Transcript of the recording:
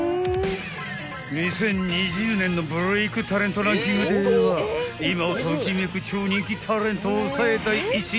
［２０２０年のブレイクタレントランキングでは今を時めく超人気タレントを抑え第１位］